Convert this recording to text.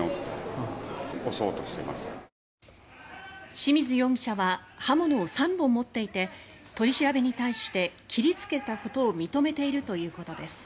清水容疑者は刃物を３本持っていて取り調べに対して切りつけたことを認めているということです。